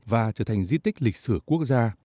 và trở thành di tích lịch sửa quốc gia